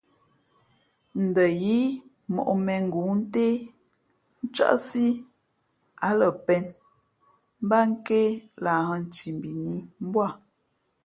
Ndα yíí mōʼ mēngoo ntě, ncάʼsǐ á lα pēn mbát nké lahhᾱ nthimbi nǐ mbū â.